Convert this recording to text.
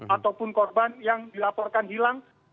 ataupun korban yang dilaporkan hilang